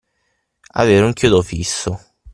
Avere un chiodo fisso.